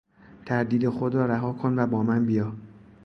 تردید خود را رها کن و با من بیا.